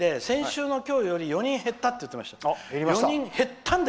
先週の今日より４人減ったって言ってました。